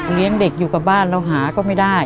เลี้ยงเด็กอยู่กับบ้านเราหาก็ไม่ได้